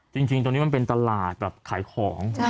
จริงตรงนี้มันเป็นตลาดแบบขายของ